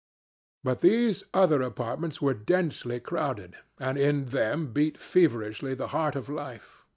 But these other apartments were densely crowded, and in them beat feverishly the heart of life.